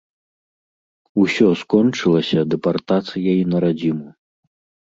Усё скончылася дэпартацыяй на радзіму.